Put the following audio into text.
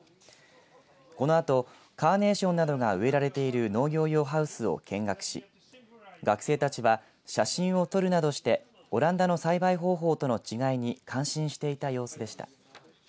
このあとカーネーションなどが植えられている農業用ハウスを見学し学生たちは写真を撮るなどしてオランダの栽培方法との違いに感心していた様子でした。